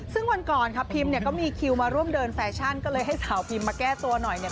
ซึ่งวันก่อนค่ะพิมเนี่ยก็มีคิวมาร่วมเดินแฟชั่นก็เลยให้สาวพิมมาแก้ตัวหน่อยเนี่ย